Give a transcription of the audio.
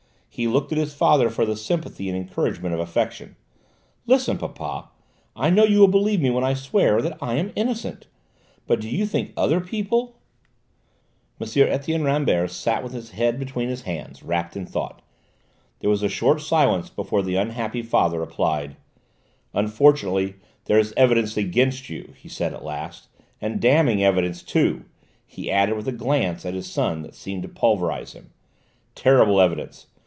He looked at his father for the sympathy and encouragement of affection. "Listen, papa, I know you will believe me when I swear that I am innocent; but do you think other people " M. Etienne Rambert sat with his head between his hands, wrapped in thought; there was a short silence before the unhappy father replied: "Unfortunately there is evidence against you," he said at last; "and damning evidence, too!" he added with a glance at his son that seemed to pulverise him. "Terrible evidence!